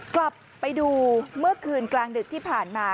กลับไปดูเมื่อคืนกลางดึกที่ผ่านมา